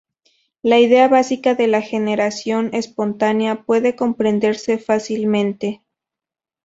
La idea básica de la generación espontánea puede comprenderse fácilmente.